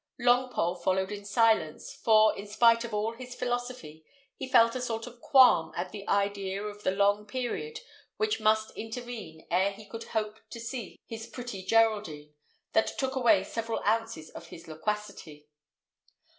Longpole followed in silence; for, in spite of all his philosophy, he felt a sort of qualm at the idea of the long period which must intervene ere he could hope to see his pretty Geraldine, that took away several ounces of his loquacity.